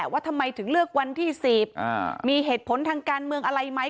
ว่าทำไมถึงเลือกวันที่๑๐มีเหตุผลทางการเมืองอะไรไหม